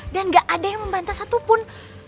dan gak ada yang membantah satupun